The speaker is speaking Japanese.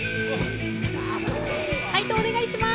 解答をお願いします。